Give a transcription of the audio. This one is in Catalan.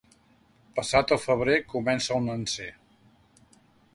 Passat el febrer, comença el nanser.